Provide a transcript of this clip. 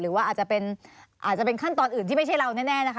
หรือว่าอาจจะเป็นขั้นตอนอื่นที่ไม่ใช่เราแน่นะคะ